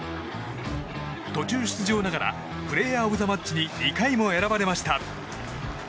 途中出場ながらプレーヤー・オブ・ザ・マッチに２回も選ばれました。